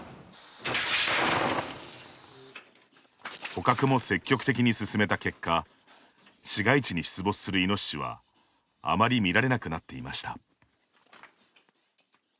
捕獲も積極的に進めた結果市街地に出没するイノシシはあまり見られなくなっていました。